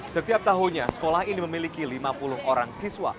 setiap tahunnya sekolah ini memiliki lima puluh orang siswa